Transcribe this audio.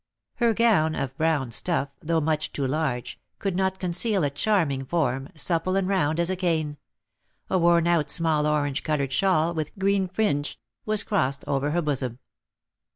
Her gown, of brown stuff, though much too large, could not conceal a charming form, supple and round as a cane; a worn out small orange coloured shawl, with green fringe, was crossed over her bosom.